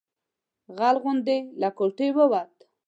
غل غوندې له کوټې ووت.